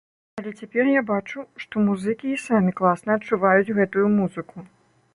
Але цяпер я бачу, што музыкі і самі класна адчуваюць гэтую музыку.